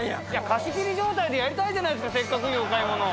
貸し切り状態でやりたいじゃないですかせっかくいいお買い物。